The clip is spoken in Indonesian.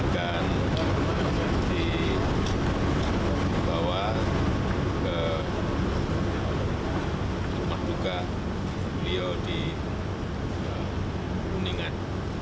dan dibawa ke rumah duga beliau di kuningan